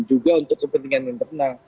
untuk kepentingan internal